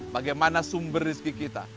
bagaimana sumber rizki kita